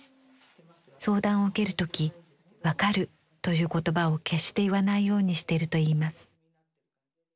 相談を受ける時「わかる」という言葉を決して言わないようにしてるといいます。